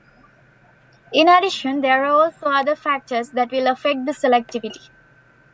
In addition, there are also other factors that will affect the selectivity.